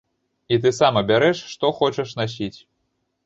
І ты сам абярэш, што хочаш насіць.